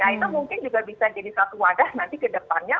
nah itu mungkin juga bisa jadi satu wadah nanti ke depannya